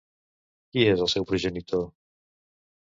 Qui és el seu progenitor?